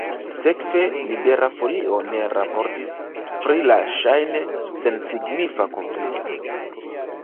Sekve Libera Folio ne raportis pri la ŝajne sensignifa konflikto.